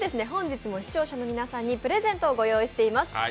本日も視聴者の皆さんにプレゼントをご用意しています。